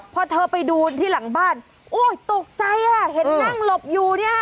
พอเธอไปดูที่หลังบ้านโอ้ยตกใจอ่ะเห็นนั่งหลบอยู่เนี่ย